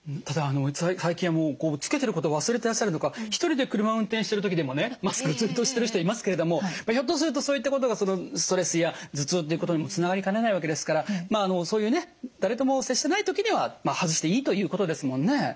ただ最近はもうつけてることを忘れてらっしゃるのか一人で車運転している時でもねマスクずっとしてる人いますけれどもひょっとするとそういったことがストレスや頭痛ということにもつながりかねないわけですからそういうね誰とも接してない時には外していいということですもんね。